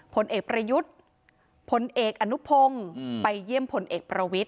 ผลเอกประยุทธ์ผลเอกอนุพงศ์ไปเยี่ยมผลเอกประวิทธ